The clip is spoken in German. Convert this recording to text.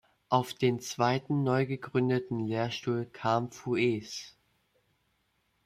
Auf den zweiten, neu gegründeten Lehrstuhl kam Fues.